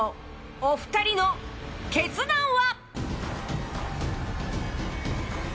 お二人の決断は？